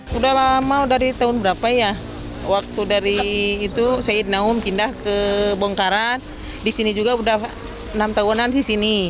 sudah lama dari tahun berapa ya waktu dari itu saya naum pindah ke bongkarat disini juga sudah enam tahunan disini